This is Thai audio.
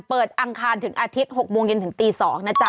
อังคารถึงอาทิตย์๖โมงเย็นถึงตี๒นะจ๊